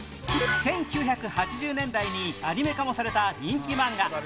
１９８０年代にアニメ化もされた人気マンガ